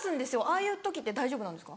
ああいう時大丈夫なんですか？